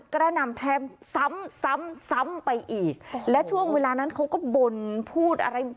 กระหน่ำแทงซ้ำซ้ำซ้ำไปอีกและช่วงเวลานั้นเขาก็บ่นพูดอะไร